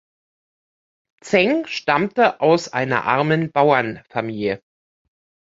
Zheng stammte aus einer armen Bauernfamilie.